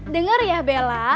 dengar ya bella